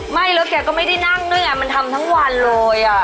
ไม่แล้วแกก็ไม่ได้นั่งด้วยไงมันทำทั้งวันเลย